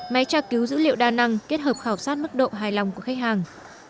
máy tra cứu dữ liệu đa năng kết hợp khảo sát mức độ hài lòng của khách hàng